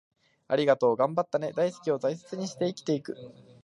『ありがとう』、『頑張ったね』、『大好き』を大切にして生きていく